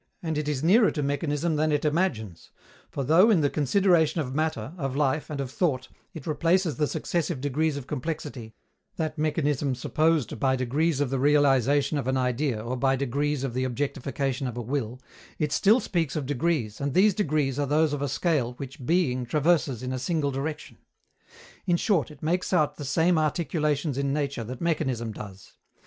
And it is nearer to mechanism than it imagines; for though, in the consideration of matter, of life and of thought, it replaces the successive degrees of complexity, that mechanism supposed by degrees of the realization of an Idea or by degrees of the objectification of a Will, it still speaks of degrees, and these degrees are those of a scale which Being traverses in a single direction. In short, it makes out the same articulations in nature that mechanism does.